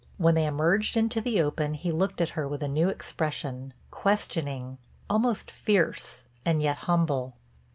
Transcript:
When they emerged into the open he looked at her with a new expression—questioning, almost fierce and yet humble.